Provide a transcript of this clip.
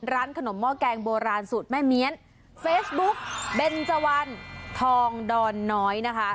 ร้านขนมหม้อแกงโบราณสูตรแม่เมียนเฟซบุ๊กเบนเจวันทองดอนน้อยนะคะ